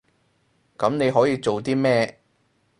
噉你可以做啲咩？